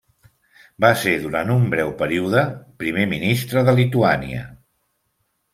Va ser durant un breu període primer ministre de Lituània.